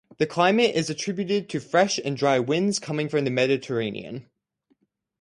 The climate is attributed to fresh and dry winds coming from the Mediterranean.